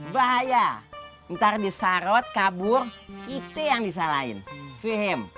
bahaya ntar disarot kabur kita yang disalahin fihem